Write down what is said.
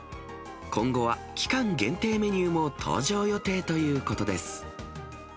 今後は期間限定メニューも登場予定ということです。